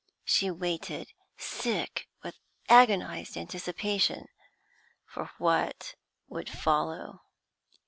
She waited, sick with agonised anticipation, for what would follow.